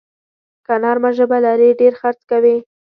که نرمه ژبه لرې، ډېر خرڅ کوې.